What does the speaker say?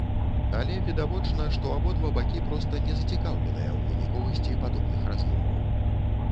Але, відавочна, што абодва бакі проста не зацікаўленыя ў выніковасці падобных размоваў.